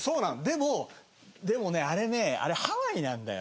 でもでもねあれねあれハワイなんだよ。